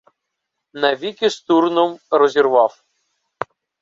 Навіки з Турном розірвав.